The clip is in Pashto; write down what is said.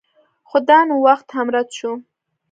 خو دا نوښت هم رد شو.